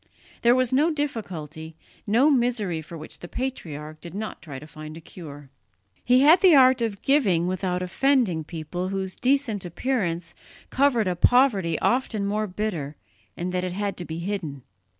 There was no difficulty, no misery for which the patriarch did not try to find a cure. He had the art of giving without offending people whose decent appearance covered a poverty often more bitter in that it had to be hidden.